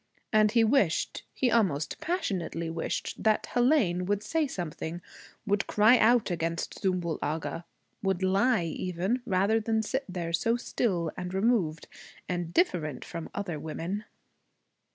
And he wished, he almost passionately wished, that Hélène would say something, would cry out against Zümbül Agha, would lie even, rather than sit there so still and removed and different from other women.